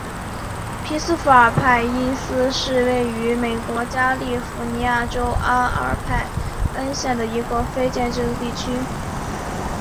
皮斯富尔派因斯是位于美国加利福尼亚州阿尔派恩县的一个非建制地区。